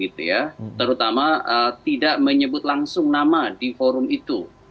terutama tidak menyebut langsung nama di forum itu